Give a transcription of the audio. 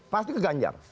pasti ke ganjar